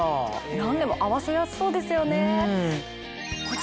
何でも合わせやすそうですよね。